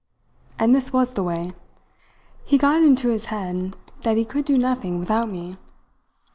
And this was the way. He got it into his head that he could do nothing without me.